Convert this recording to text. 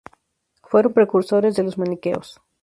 Fueron precursores de los maniqueos.